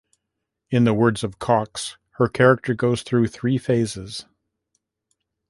In the words of Cox, her character goes through three phases.